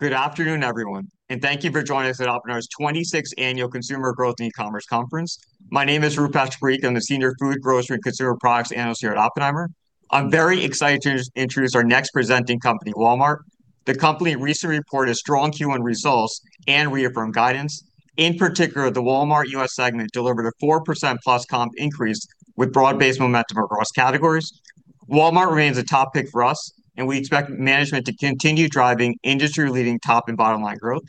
Good afternoon, everyone, and thank you for joining us at Oppenheimer's 26th Annual Consumer Growth in E-commerce Conference. My name is Rupesh Parikh. I am the Senior Food, Grocery, and Consumer Products Analyst here at Oppenheimer. I am very excited to introduce our next presenting company, Walmart. The company recently reported strong Q1 results and reaffirmed guidance. In particular, the Walmart U.S. segment delivered a 4%+ comp increase with broad-based momentum across categories. Walmart remains a top pick for us, and we expect management to continue driving industry-leading top and bottom-line growth.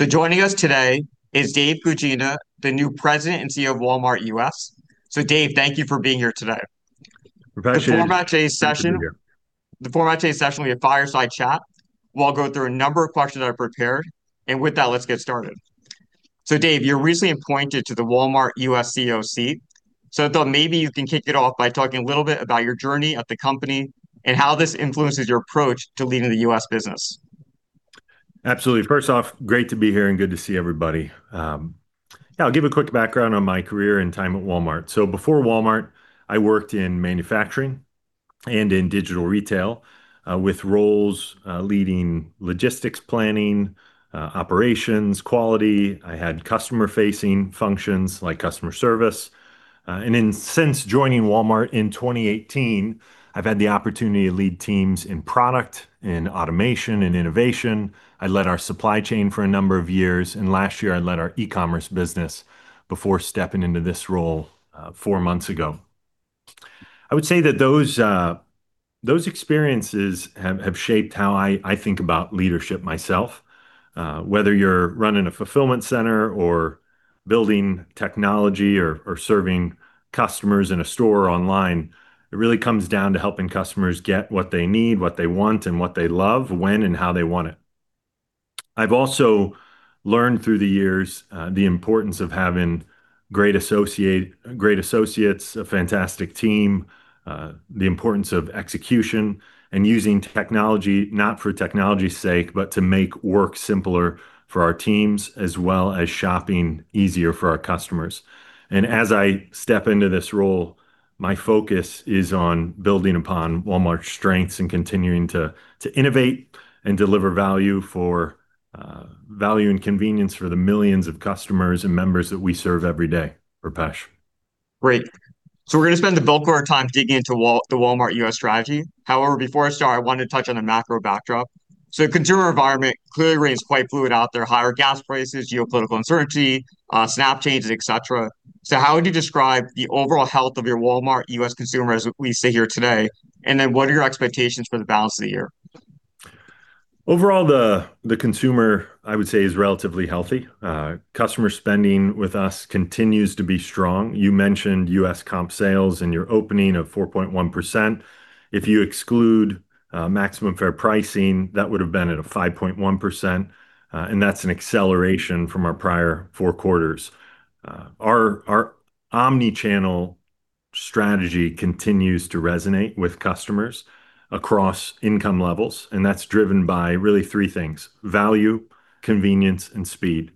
Joining us today is Dave Guggina, the new President and CEO of Walmart U.S. Dave, thank you for being here today. Rupesh, good to be here. The format today's session will be a fireside chat. We will go through a number of questions I prepared. With that, let's get started. Dave, you are recently appointed to the Walmart U.S. [COC], so I thought maybe you can kick it off by talking a little bit about your journey at the company and how this influences your approach to leading the U.S. business. Absolutely. First off, great to be here and good to see everybody. I will give a quick background on my career and time at Walmart. Before Walmart, I worked in manufacturing and in digital retail, with roles leading logistics planning, operations, quality. I had customer-facing functions like customer service. Since joining Walmart in 2018, I have had the opportunity to lead teams in product, in automation, and innovation. I led our supply chain for a number of years, and last year I led our e-commerce business before stepping into this role four months ago. I would say that those experiences have shaped how I think about leadership myself. Whether you're running a fulfillment center or building technology or serving customers in a store or online, it really comes down to helping customers get what they need, what they want, and what they love, when and how they want it. I've also learned through the years the importance of having great associates, a fantastic team, the importance of execution, and using technology not for technology's sake, but to make work simpler for our teams, as well as shopping easier for our customers. As I step into this role, my focus is on building upon Walmart's strengths and continuing to innovate and deliver value and convenience for the millions of customers and members that we serve every day, Rupesh. We're going to spend the bulk of our time digging into the Walmart U.S. strategy. Before I start, I want to touch on the macro backdrop. The consumer environment clearly remains quite fluid out there. Higher gas prices, geopolitical uncertainty, snap changes, et cetera. How would you describe the overall health of your Walmart U.S. consumer as we sit here today? And then what are your expectations for the balance of the year? Overall, the consumer, I would say, is relatively healthy. Customer spending with us continues to be strong. You mentioned U.S. comp sales in your opening of 4.1%. If you exclude maximum fair pricing, that would have been at a 5.1%, and that's an acceleration from our prior four quarters. Our omnichannel strategy continues to resonate with customers across income levels, and that's driven by really three things: value, convenience, and speed.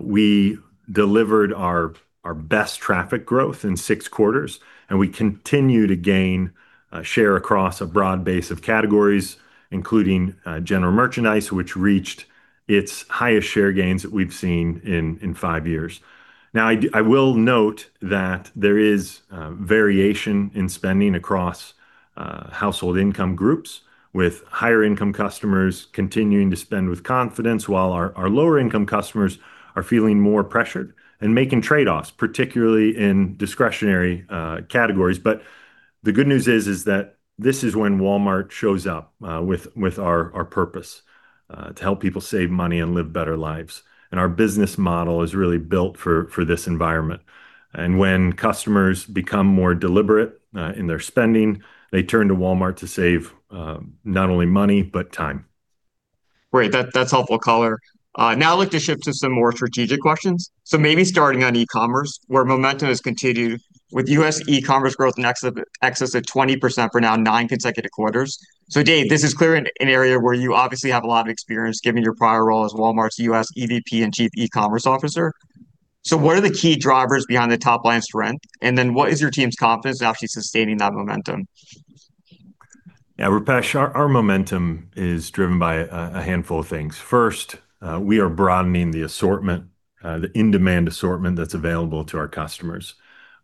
We delivered our best traffic growth in six quarters, and we continue to gain share across a broad base of categories, including general merchandise, which reached its highest share gains that we've seen in five years. Now, I will note that there is variation in spending across household income groups with higher income customers continuing to spend with confidence while our lower income customers are feeling more pressured and making trade-offs, particularly in discretionary categories. The good news is that this is when Walmart shows up with our purpose: to help people save money and live better lives. Our business model is really built for this environment. When customers become more deliberate in their spending, they turn to Walmart to save not only money, but time. Great. That's helpful color. Now I'd like to shift to some more strategic questions. Maybe starting on e-commerce, where momentum has continued with U.S. e-commerce growth in excess of 20% for now nine consecutive quarters. Dave, this is clearly an area where you obviously have a lot of experience, given your prior role as Walmart U.S. EVP and Chief eCommerce Officer. What are the key drivers behind the top line strength, and what is your team's confidence actually sustaining that momentum? Rupesh, our momentum is driven by a handful of things. First, we are broadening the assortment, the in-demand assortment that's available to our customers.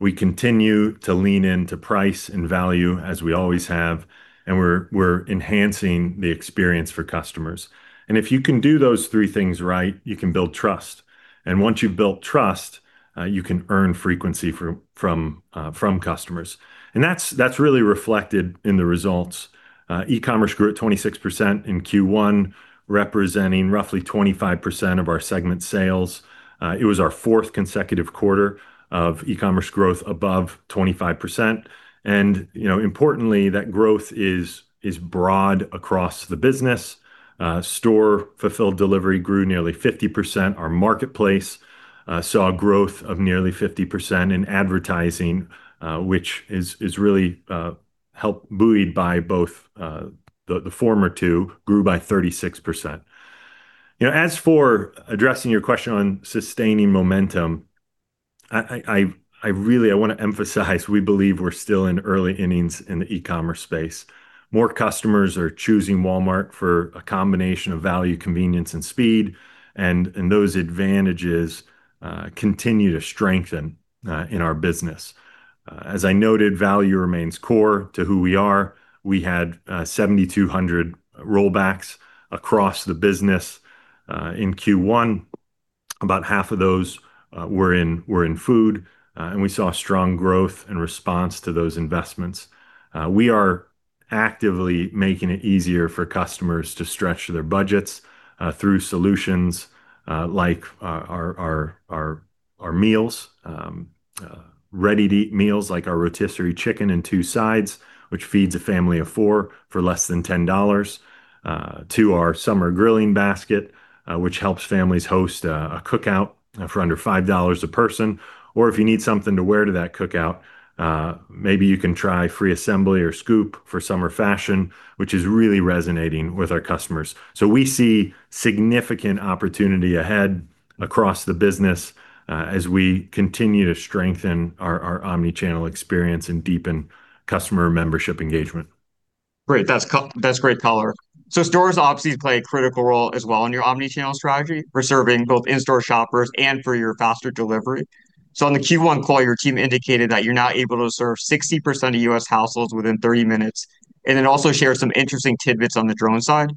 We continue to lean into price and value as we always have, and we're enhancing the experience for customers. If you can do those three things right, you can build trust, and once you've built trust, you can earn frequency from customers. That's really reflected in the results. E-commerce grew at 26% in Q1, representing roughly 25% of our segment sales. It was our fourth consecutive quarter of e-commerce growth above 25%. Importantly, that growth is broad across the business. Store-fulfilled delivery grew nearly 50%. Our marketplace saw growth of nearly 50% in advertising, which is really helped buoyed by both the former two grew by 36%. As for addressing your question on sustaining momentum, I really want to emphasize, we believe we're still in early innings in the e-commerce space. More customers are choosing Walmart for a combination of value, convenience, and speed, and those advantages continue to strengthen in our business. As I noted, value remains core to who we are. We had 7,200 Rollbacks across the business in Q1. About half of those were in food, and we saw strong growth in response to those investments. We are actively making it easier for customers to stretch their budgets through solutions like our meals, ready-to-eat meals like our rotisserie chicken and two sides, which feeds a family of four for less than $10, to our summer grilling basket, which helps families host a cookout for under $5 a person. If you need something to wear to that cookout, maybe you can try Free Assembly or Scoop for summer fashion, which is really resonating with our customers. We see significant opportunity ahead across the business as we continue to strengthen our omnichannel experience and deepen customer membership engagement. Great. That's great color. Stores obviously play a critical role as well in your omnichannel strategy for serving both in-store shoppers and for your faster delivery. On the Q1 call, your team indicated that you're now able to serve 60% of U.S. households within 30 minutes, and then also share some interesting tidbits on the drone side.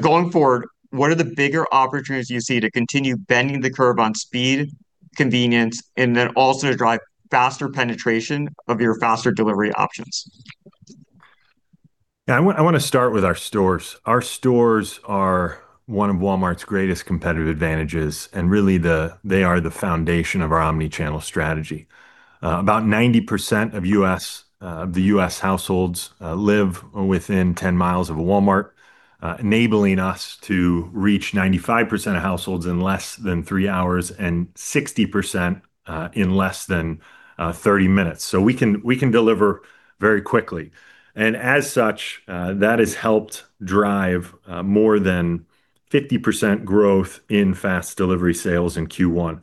Going forward, what are the bigger opportunities you see to continue bending the curve on speed, convenience, and then also to drive faster penetration of your faster delivery options? Yeah. I want to start with our stores. Our stores are one of Walmart's greatest competitive advantages, and really they are the foundation of our omnichannel strategy. About 90% of U.S. households live within 10 mi of a Walmart, enabling us to reach 95% of households in less than three hours and 60% in less than 30 minutes. We can deliver very quickly. As such, that has helped drive more than 50% growth in fast delivery sales in Q1.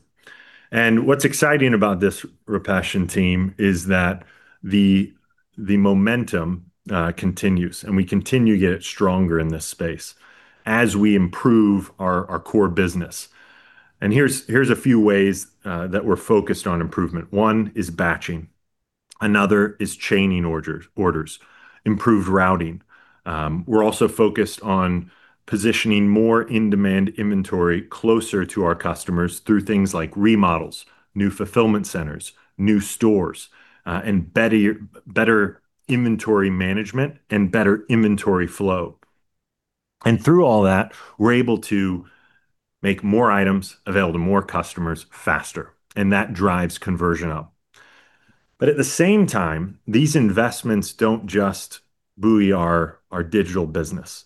What's exciting about this, Rupesh and team, is that the momentum continues, and we continue to get stronger in this space as we improve our core business. Here's a few ways that we're focused on improvement. One is batching. Another is chaining orders. Improved routing. We're also focused on positioning more in-demand inventory closer to our customers through things like remodels, new fulfillment centers, new stores, and better inventory management and better inventory flow. Through all that, we're able to make more items available to more customers faster, and that drives conversion up. At the same time, these investments don't just buoy our digital business.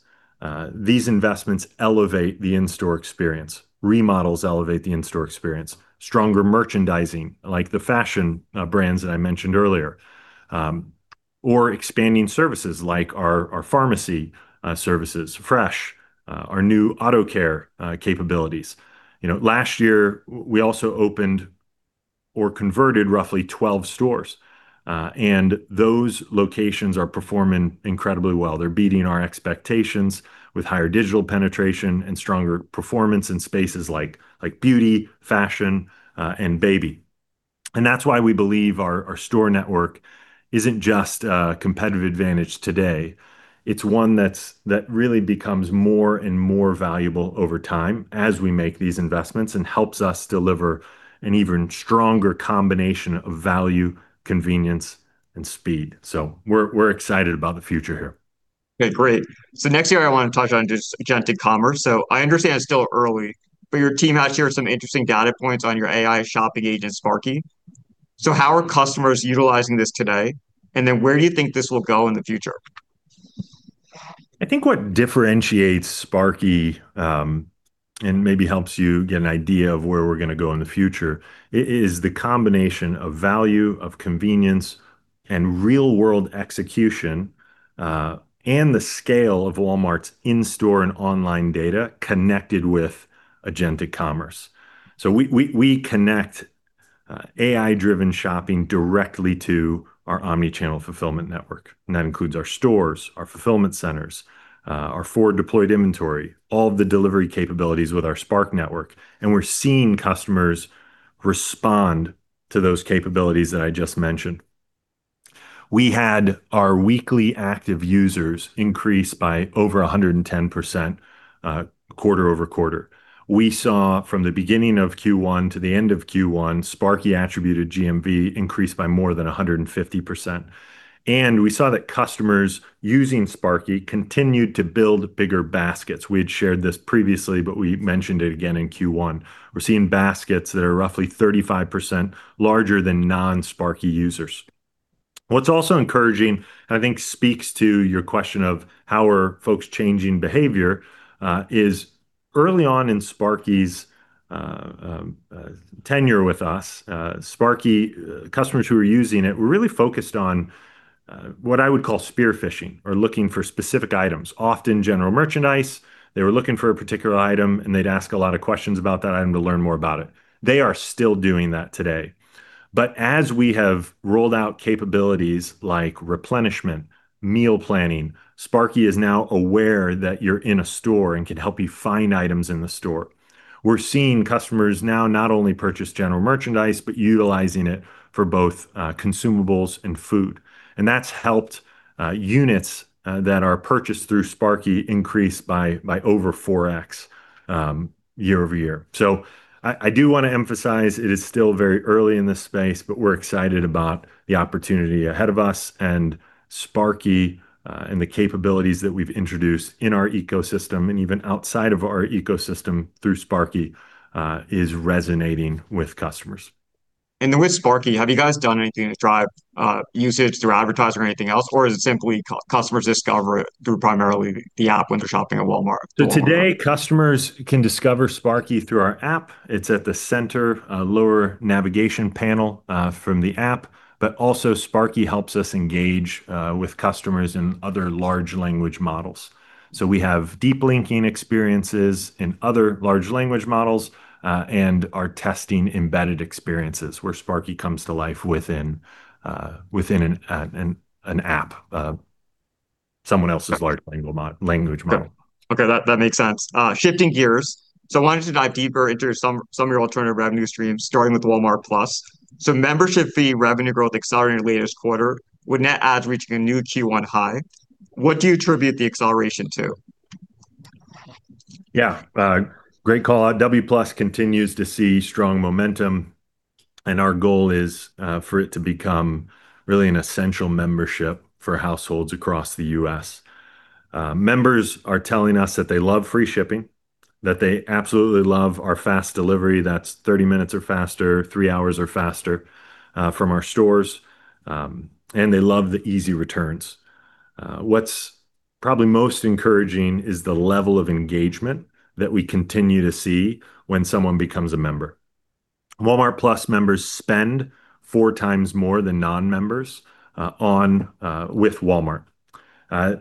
These investments elevate the in-store experience. Remodels elevate the in-store experience. Stronger merchandising, like the fashion brands that I mentioned earlier, or expanding services like our pharmacy services, Fresh, our new auto care capabilities. Last year, we also opened or converted roughly 12 stores, and those locations are performing incredibly well. They're beating our expectations with higher digital penetration and stronger performance in spaces like beauty, fashion, and baby. That's why we believe our store network isn't just a competitive advantage today. It's one that really becomes more and more valuable over time as we make these investments and helps us deliver an even stronger combination of value, convenience, and speed. We're excited about the future here. Next area I want to touch on is agentic commerce. I understand it's still early, but your team has shared some interesting data points on your AI shopping agent, Sparky. How are customers utilizing this today? Where do you think this will go in the future? What differentiates Sparky, and maybe helps you get an idea of where we're going to go in the future, is the combination of value, of convenience, and real-world execution, and the scale of Walmart's in-store and online data connected with agentic commerce. We connect AI-driven shopping directly to our omnichannel fulfillment network. That includes our stores, our fulfillment centers, our forward-deployed inventory, all of the delivery capabilities with our Spark network, and we're seeing customers respond to those capabilities that I just mentioned. We had our weekly active users increase by over 110% quarter-over-quarter. We saw from the beginning of Q1 to the end of Q1, Sparky-attributed GMV increased by more than 150%. We saw that customers using Sparky continued to build bigger baskets. We had shared this previously, but we mentioned it again in Q1. We're seeing baskets that are roughly 35% larger than non-Sparky users. What's also encouraging, and I think speaks to your question of how are folks changing behavior, is early on in Sparky's tenure with us, customers who were using it were really focused on what I would call spearfishing or looking for specific items, often general merchandise. They were looking for a particular item, and they'd ask a lot of questions about that item to learn more about it. They are still doing that today. As we have rolled out capabilities like replenishment, meal planning, Sparky is now aware that you're in a store and can help you find items in the store. We're seeing customers now not only purchase general merchandise, but utilizing it for both consumables and food. That's helped units that are purchased through Sparky increase by over 4x year-over-year. I do want to emphasize it is still very early in this space, but we're excited about the opportunity ahead of us and Sparky, the capabilities that we've introduced in our ecosystem and even outside of our ecosystem through Sparky is resonating with customers. And with Sparky, have you guys done anything to drive usage through advertising or anything else, or is it simply customers discover it through primarily the app when they're shopping at Walmart? Today, customers can discover Sparky through our app. It's at the center lower navigation panel from the app. Also Sparky helps us engage with customers in other large language models. We have deep linking experiences in other large language models, and are testing embedded experiences where Sparky comes to life within an app, someone else's large language model. Okay. That makes sense. Shifting gears. I wanted to dive deeper into some of your alternative revenue streams, starting with Walmart+. Membership fee revenue growth accelerated in your latest quarter, with net adds reaching a new Q1 high. What do you attribute the acceleration to? Great call. W+ continues to see strong momentum, and our goal is for it to become really an essential membership for households across the U.S. Members are telling us that they love free shipping, that they absolutely love our fast delivery that's 30 minutes or faster, three hours or faster from our stores. They love the easy returns. What's probably most encouraging is the level of engagement that we continue to see when someone becomes a member. Walmart+ members spend four times more than non-members with Walmart.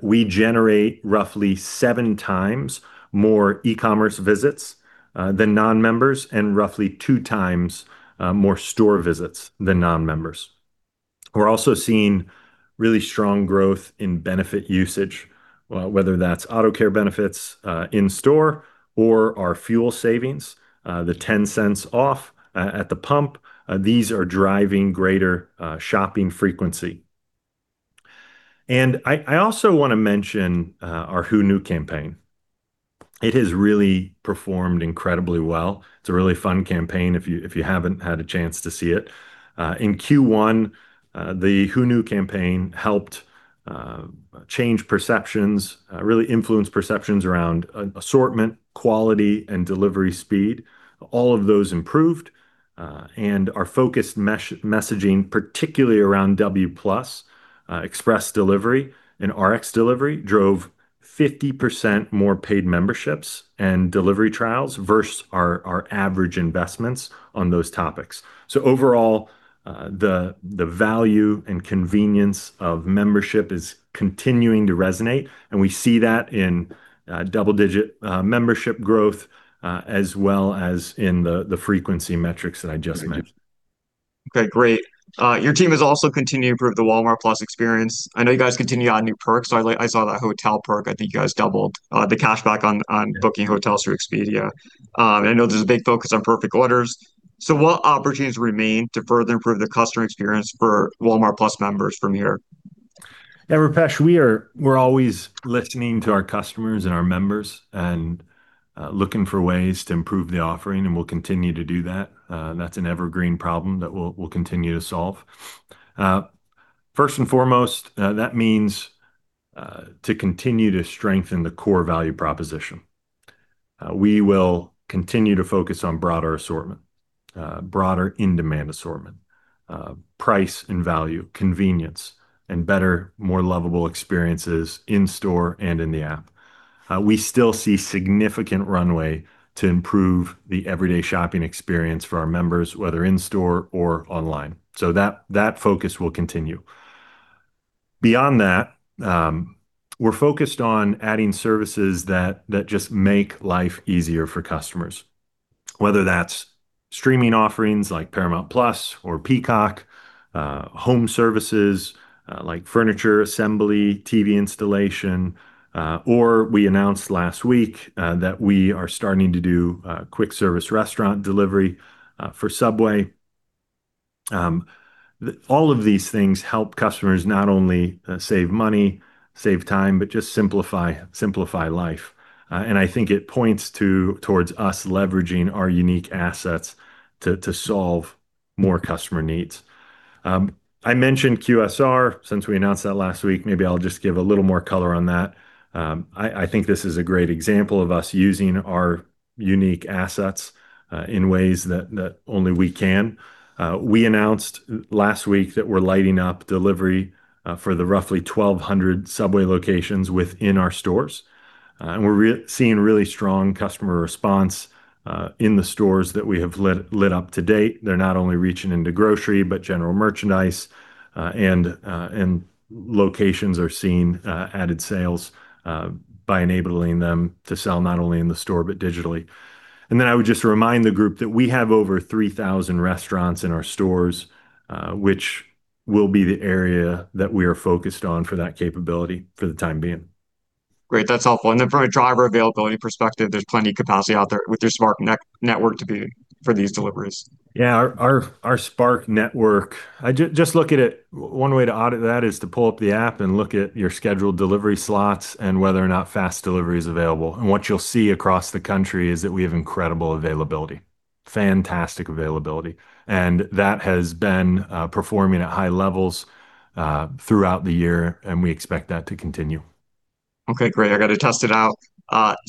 We generate roughly seven times more e-commerce visits than non-members and roughly two times more store visits than non-members. We're also seeing really strong growth in benefit usage, whether that's auto care benefits in store or our fuel savings, the $0.10 off at the pump. These are driving greater shopping frequency. I also want to mention our Who Knew? campaign. It has really performed incredibly well. It's a really fun campaign if you haven't had a chance to see it. In Q1, the Who Knew? campaign helped change perceptions, really influenced perceptions around assortment, quality, and delivery speed. All of those improved. Our focused messaging, particularly around W+, express delivery, and Rx delivery, drove 50% more paid memberships and delivery trials versus our average investments on those topics. Overall, the value and convenience of membership is continuing to resonate, and we see that in double-digit membership growth, as well as in the frequency metrics that I just mentioned. Okay, great. Your team has also continued to improve the Walmart+ experience. I know you guys continue to add new perks. I saw that hotel perk. I think you guys doubled the cashback on booking hotels through Expedia. I know there's a big focus on perfect orders. What opportunities remain to further improve the customer experience for Walmart+ members from here? Yeah, Rupesh, we're always listening to our customers and our members and looking for ways to improve the offering, and we'll continue to do that. That's an evergreen problem that we'll continue to solve. First and foremost, that means to continue to strengthen the core value proposition. We will continue to focus on broader assortment, broader in-demand assortment, price and value, convenience, and better, more lovable experiences in store and in the app. We still see significant runway to improve the everyday shopping experience for our members, whether in store or online. That focus will continue. Beyond that, we're focused on adding services that just make life easier for customers, whether that's streaming offerings like Paramount+ or Peacock, home services like furniture assembly, TV installation, or we announced last week that we are starting to do quick service restaurant delivery for Subway. All of these things help customers not only save money, save time, but just simplify life. I think it points towards us leveraging our unique assets to solve more customer needs. I mentioned QSR since we announced that last week. I'll just give a little more color on that. I think this is a great example of us using our unique assets, in ways that only we can. We announced last week that we're lighting up delivery for the roughly 1,200 Subway locations within our stores. We're seeing really strong customer response in the stores that we have lit up to date. They're not only reaching into grocery, but general merchandise, and locations are seeing added sales by enabling them to sell not only in the store but digitally. I would just remind the group that we have over 3,000 restaurants in our stores, which will be the area that we are focused on for that capability for the time being. Great. That's helpful. From a driver availability perspective, there's plenty of capacity out there with your Spark network to be for these deliveries. Yeah. Our Spark network, one way to audit that is to pull up the app and look at your scheduled delivery slots and whether or not fast delivery is available. What you'll see across the country is that we have incredible availability, fantastic availability, that has been performing at high levels throughout the year, and we expect that to continue. Okay, great. I've got to test it out.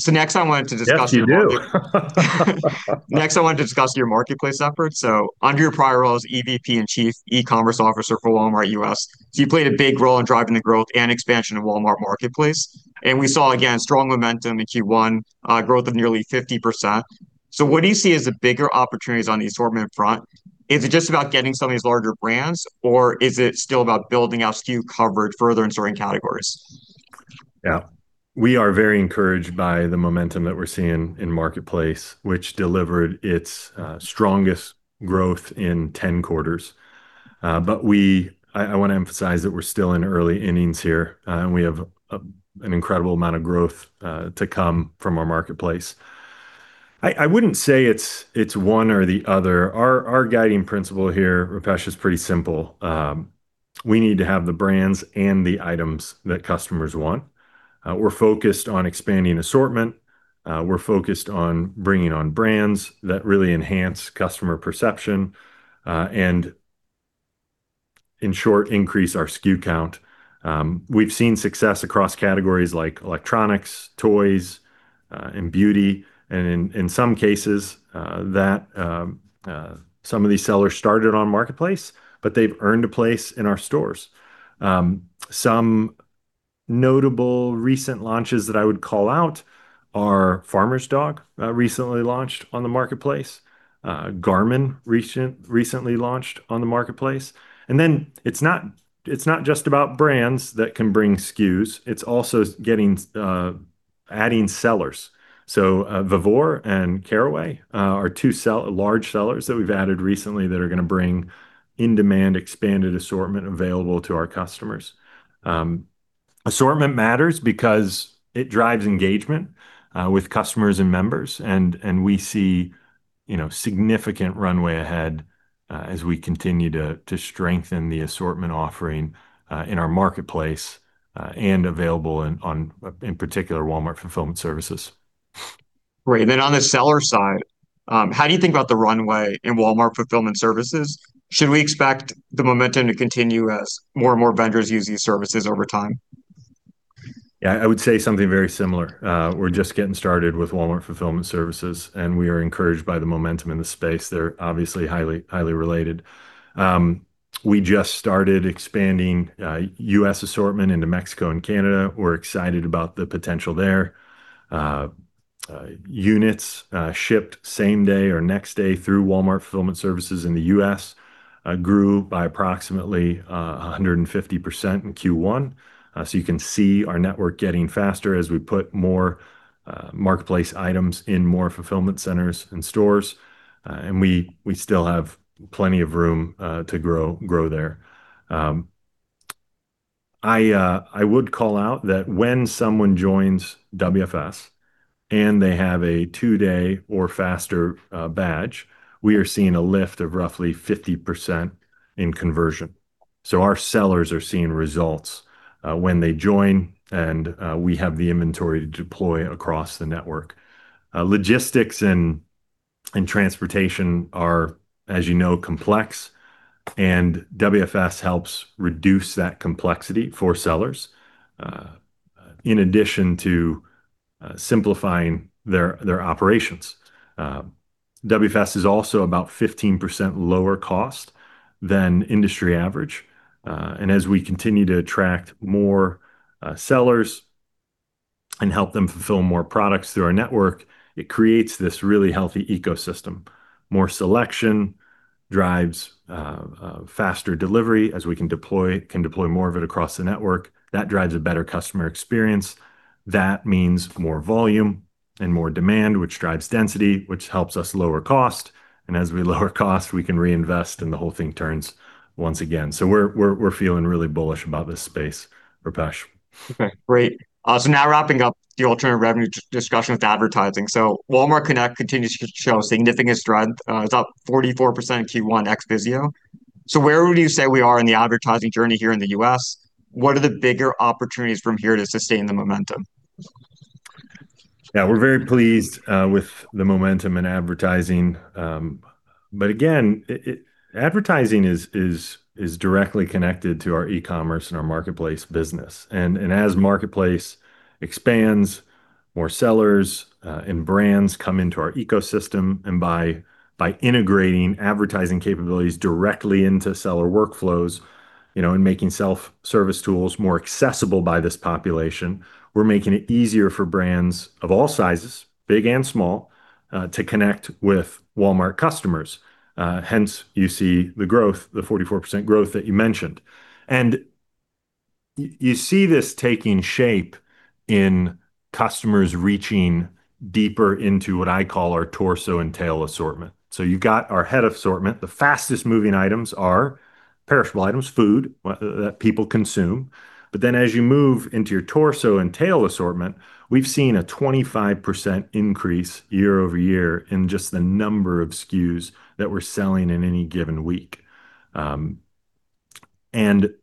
Next I wanted to discuss your market- Yes, you do. Next, I wanted to discuss your Marketplace efforts. Under your prior role as EVP and Chief eCommerce Officer for Walmart U.S., you played a big role in driving the growth and expansion of Walmart Marketplace. We saw, again, strong momentum in Q1, growth of nearly 50%. What do you see as the bigger opportunities on the assortment front? Is it just about getting some of these larger brands, or is it still about building out SKU coverage further in certain categories? Yeah. We are very encouraged by the momentum that we're seeing in Marketplace, which delivered its strongest growth in 10 quarters. I want to emphasize that we're still in the early innings here, and we have an incredible amount of growth to come from our Marketplace. I wouldn't say it's one or the other. Our guiding principle here, Rupesh, is pretty simple. We need to have the brands and the items that customers want. We're focused on expanding assortment. We're focused on bringing on brands that really enhance customer perception, and in short, increase our SKU count. We've seen success across categories like electronics, toys, and beauty, and in some cases, some of these sellers started on Marketplace, but they've earned a place in our stores. Some notable recent launches that I would call out are Farmer's Dog, recently launched on the Marketplace. Garmin recently launched on the Marketplace. It's not just about brands that can bring SKUs, it's also adding sellers. VEVOR and Caraway are two large sellers that we've added recently that are going to bring in-demand expanded assortment available to our customers. Assortment matters because it drives engagement with customers and members and we see significant runway ahead as we continue to strengthen the assortment offering in our Marketplace, and available in particular Walmart Fulfillment Services. Right. On the seller side, how do you think about the runway in Walmart Fulfillment Services? Should we expect the momentum to continue as more and more vendors use these services over time? Yeah. I would say something very similar. We're just getting started with Walmart Fulfillment Services. We are encouraged by the momentum in the space. They're obviously highly related. We just started expanding U.S. assortment into Mexico and Canada. We're excited about the potential there. Units shipped same day or next day through Walmart Fulfillment Services in the U.S. grew by approximately 150% in Q1. You can see our network getting faster as we put more Marketplace items in more fulfillment centers and stores. We still have plenty of room to grow there. I would call out that when someone joins WFS and they have a two-day or faster badge, we are seeing a lift of roughly 50% in conversion. Our sellers are seeing results when they join. We have the inventory to deploy across the network. Logistics and transportation are, as you know, complex. WFS helps reduce that complexity for sellers, in addition to simplifying their operations. WFS is also about 15% lower cost than industry average. As we continue to attract more sellers and help them fulfill more products through our network, it creates this really healthy ecosystem. More selection drives faster delivery, as we can deploy more of it across the network. That drives a better customer experience. That means more volume and more demand, which drives density, which helps us lower cost. As we lower cost, we can reinvest and the whole thing turns once again. We're feeling really bullish about this space, Rupesh. Okay. Great. Now wrapping up the alternative revenue discussion with advertising. Walmart Connect continues to show significant strength. It's up 44% in Q1 ex VIZIO. Where would you say we are in the advertising journey here in the U.S.? What are the bigger opportunities from here to sustain the momentum? We're very pleased with the momentum in advertising. Again, advertising is directly connected to our e-commerce and our Marketplace business. As Marketplace expands, more sellers and brands come into our ecosystem. By integrating advertising capabilities directly into seller workflows, and making self-service tools more accessible by this population, we're making it easier for brands of all sizes, big and small, to connect with Walmart customers. Hence you see the growth, the 44% growth that you mentioned. You see this taking shape in customers reaching deeper into what I call our torso and tail assortment. You've got our head assortment. The fastest moving items are perishable items, food that people consume. As you move into your torso and tail assortment, we've seen a 25% increase year-over-year in just the number of SKUs that we're selling in any given week. Everything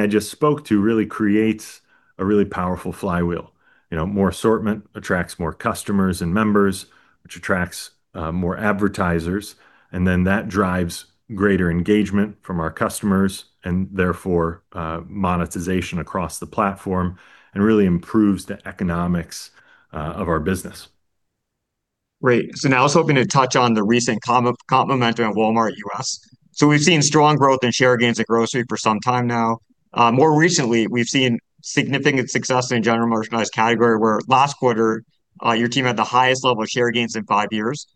I just spoke to really creates a really powerful flywheel. More assortment attracts more customers and members, which attracts more advertisers, that drives greater engagement from our customers, therefore monetization across the platform, and really improves the economics of our business. Great. Now I was hoping to touch on the recent comp momentum at Walmart U.S. We've seen strong growth in share gains at grocery for some time now. More recently, we've seen significant success in general merchandise category, where last quarter your team had the highest level of share gains in five years.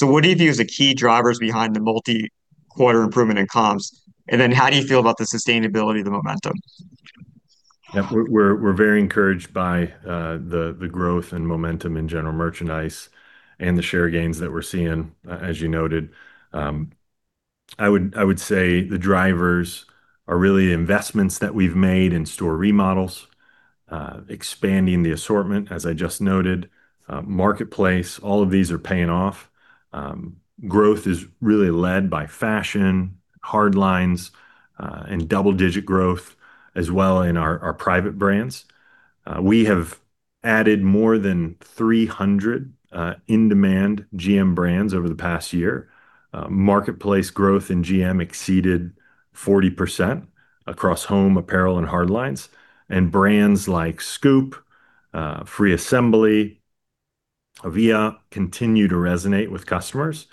What do you view as the key drivers behind the multi-quarter improvement in comps, how do you feel about the sustainability of the momentum? We're very encouraged by the growth and momentum in general merchandise and the share gains that we're seeing, as you noted. I would say the drivers are really the investments that we've made in store remodels, expanding the assortment as I just noted, Walmart Marketplace. All of these are paying off. Growth is really led by fashion, hard lines, and double-digit growth, as well in our private brands. We have added more than 300 in-demand GM brands over the past year. Walmart Marketplace growth in GM exceeded 40% across home apparel and hard lines. Brands like Scoop, Free Assembly, Avia continue to resonate with customers.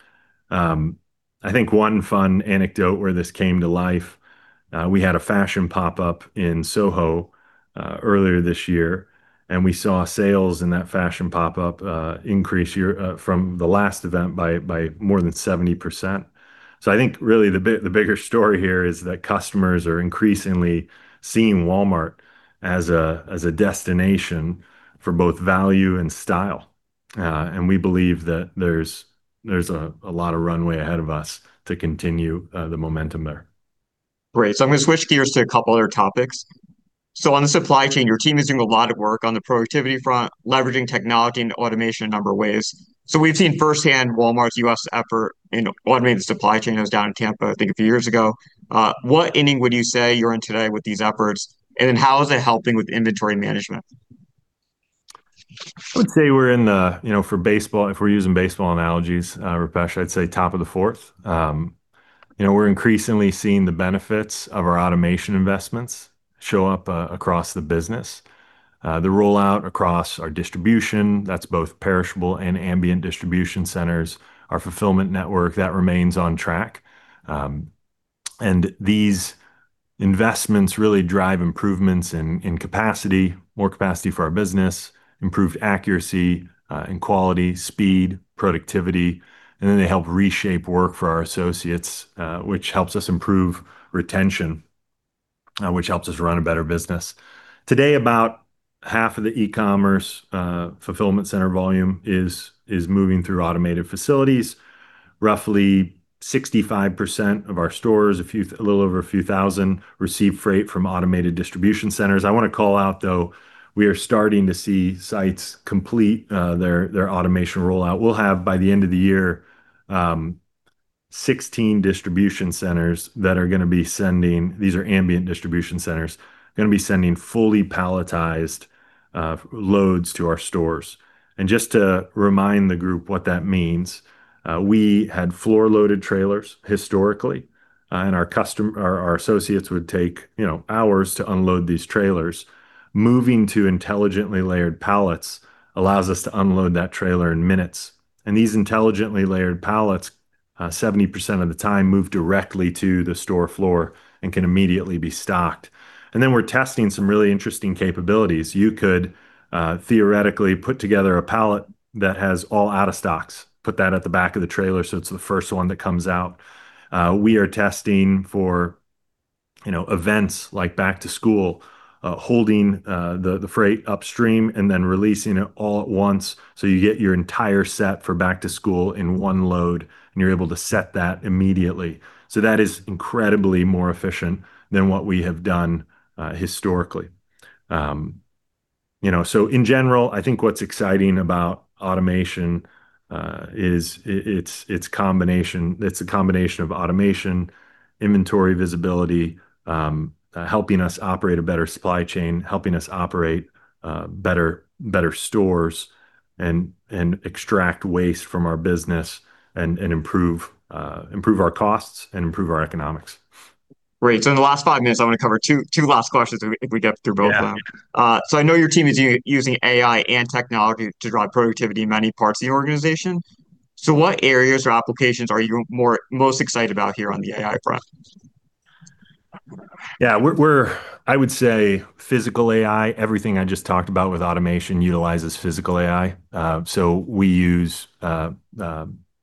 I think one fun anecdote where this came to life, we had a fashion pop-up in SoHo earlier this year, we saw sales in that fashion pop-up increase from the last event by more than 70%. I think really the bigger story here is that customers are increasingly seeing Walmart as a destination for both value and style. We believe that there's a lot of runway ahead of us to continue the momentum there. Great. I'm going to switch gears to a couple other topics. On the supply chain, your team is doing a lot of work on the productivity front, leveraging technology and automation in a number of ways. We've seen firsthand Walmart's U.S. effort in automating the supply chain that was down in Tampa, I think a few years ago. What inning would you say you're in today with these efforts, and then how is it helping with inventory management? I would say we're in the, for baseball, if we're using baseball analogies, Rupesh, I'd say top of the fourth. We're increasingly seeing the benefits of our automation investments show up across the business. The rollout across our distribution, that's both perishable and ambient distribution centers, our fulfillment network, that remains on track. These investments really drive improvements in capacity, more capacity for our business, improved accuracy and quality, speed, productivity, and then they help reshape work for our associates, which helps us improve retention, which helps us run a better business. Today, about half of the e-commerce fulfillment center volume is moving through automated facilities. Roughly 65% of our stores, a little over a few thousand, receive freight from automated distribution centers. I want to call out, though, we are starting to see sites complete their automation rollout. We'll have by the end of the year, 16 distribution centers that are going to be sending, these are ambient distribution centers, going to be sending fully palletized loads to our stores. Just to remind the group what that means, we had floor-loaded trailers historically, and our associates would take hours to unload these trailers. Moving to intelligently layered pallets allows us to unload that trailer in minutes. These intelligently layered pallets, 70% of the time, move directly to the store floor and can immediately be stocked. Then we're testing some really interesting capabilities. You could theoretically put together a pallet that has all out of stocks, put that at the back of the trailer so it's the first one that comes out. We are testing for events like back to school, holding the freight upstream and then releasing it all at once so you get your entire set for back to school in one load, and you're able to set that immediately. That is incredibly more efficient than what we have done historically. In general, I think what's exciting about automation is it's a combination of automation, inventory visibility, helping us operate a better supply chain, helping us operate better stores and extract waste from our business, and improve our costs and improve our economics. Great. In the last five minutes, I want to cover two last questions if we get through both of them. Yeah. I know your team is using AI and technology to drive productivity in many parts of the organization. What areas or applications are you most excited about here on the AI front? Yeah. I would say physical AI. Everything I just talked about with automation utilizes physical AI. We use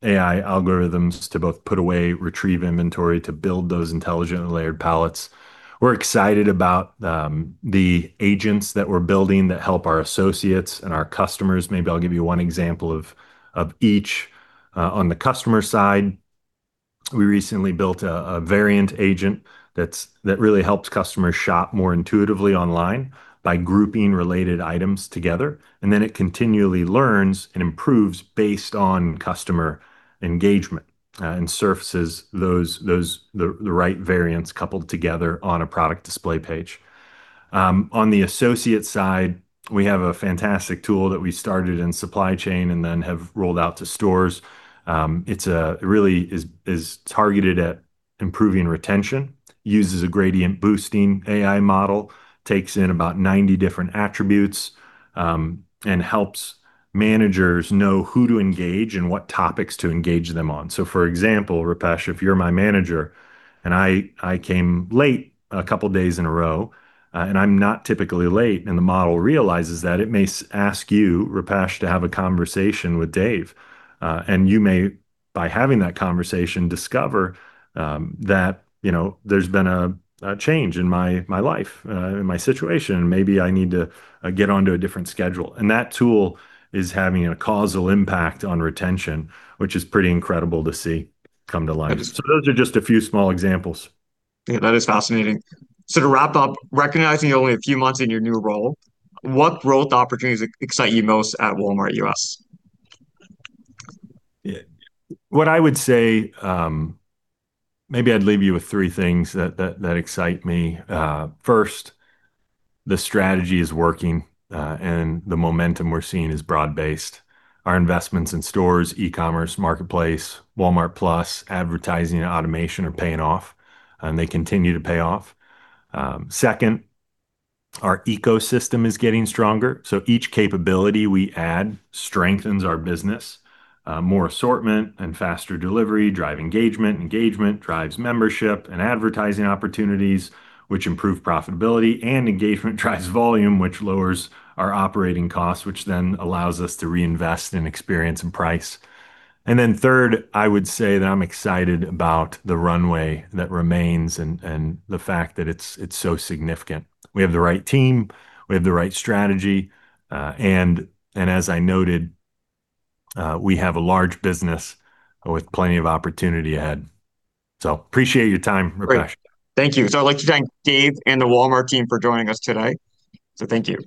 AI algorithms to both put away, retrieve inventory, to build those intelligent and layered palettes. We're excited about the agents that we're building that help our associates and our customers. Maybe I'll give you one example of each. On the customer side, we recently built a variant agent that really helps customers shop more intuitively online by grouping related items together, and then it continually learns and improves based on customer engagement, and surfaces the right variants coupled together on a product display page. On the associate side, we have a fantastic tool that we started in supply chain and then have rolled out to stores. It really is targeted at improving retention, uses a gradient boosting AI model, takes in about 90 different attributes, and helps managers know who to engage and what topics to engage them on. For example, Rupesh, if you're my manager, and I came late a couple days in a row, and I'm not typically late, and the model realizes that, it may ask you, Rupesh, to have a conversation with Dave. You may, by having that conversation, discover that there's been a change in my life, in my situation, and maybe I need to get onto a different schedule. That tool is having a causal impact on retention, which is pretty incredible to see come to life. Those are just a few small examples. Yeah, that is fascinating. To wrap up, recognizing you're only a few months in your new role, what growth opportunities excite you most at Walmart U.S.? What I would say, maybe I'd leave you with three things that excite me. First, the strategy is working, and the momentum we're seeing is broad based. Our investments in stores, e-commerce, marketplace, Walmart+, advertising, and automation are paying off, and they continue to pay off. Second, our ecosystem is getting stronger, each capability we add strengthens our business. More assortment and faster delivery drive engagement. Engagement drives membership and advertising opportunities, which improve profitability, and engagement drives volume, which lowers our operating costs, which then allows us to reinvest in experience and price. Third, I would say that I'm excited about the runway that remains and the fact that it's so significant. We have the right team, we have the right strategy, and as I noted, we have a large business with plenty of opportunity ahead. Appreciate your time, Rupesh. Great. Thank you. I'd like to thank Dave and the Walmart team for joining us today. Thank you.